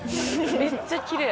めっちゃきれい。